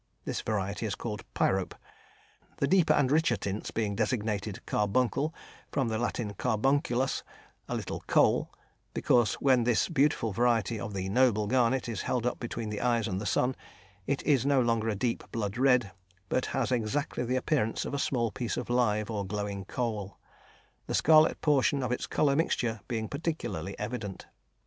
This variety is called "pyrope," the deeper and richer tints being designated "carbuncle," from the Latin carbunculus, a little coal, because when this beautiful variety of the "noble" garnet is held up between the eyes and the sun, it is no longer a deep, blood red, but has exactly the appearance of a small piece of live or glowing coal, the scarlet portion of its colour mixture being particularly evident.